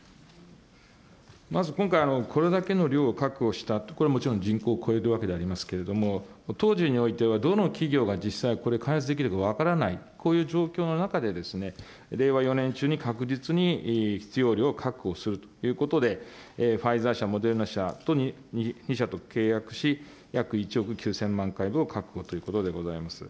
まず今回、これだけの量を確保したと、これもちろん人口を超えるわけでありますけれども、当時においては、どの企業が実際これ、開発できるか分からない、こういう状況の中で、令和４年中に確実に必要量を確保するということで、ファイザー社、モデルナ社、２社と契約し、約１億９０００万回分を確保ということでございます。